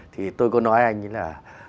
thì tôi có nói anh ấy là